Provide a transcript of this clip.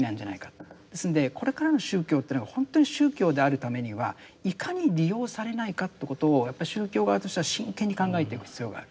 ですんでこれからの宗教というのが本当に宗教であるためにはいかに利用されないかってことをやっぱり宗教側としては真剣に考えていく必要がある。